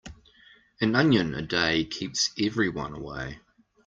An onion a day keeps everyone away.